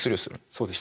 そうです。